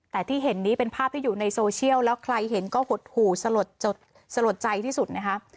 แต่ที่เห็นนี้เป็นภาพที่อยู่ในโซเชียลแล้วใครเห็นก็หดหู่สลดใจที่สุดนะคะ